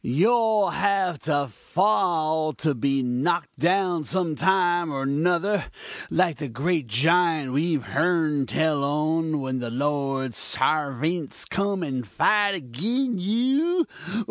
you'll all have to fall and be knock'd down some time or nuther, like the great giant we've heern tell on, when the Lord's sarvints come and fight agin you!